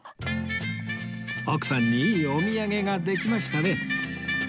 奥さんにいいお土産ができましたね